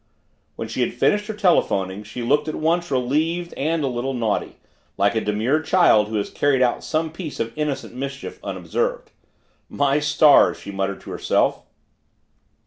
When she had finished her telephoning, she looked at once relieved and a little naughty like a demure child who has carried out some piece of innocent mischief unobserved. "My stars!" she muttered to herself.